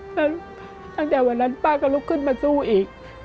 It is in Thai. แล้วตั้งแต่วันนั้นป้าก็ลุกขึ้นมาสู้อีก